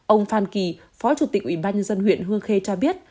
ông phan kỳ phó chủ tịch ubnd huyện hương khê cho biết